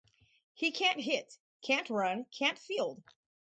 He can't hit, can't run, can't field.